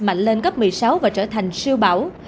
mạnh lên cấp một mươi sáu và trở thành siêu bão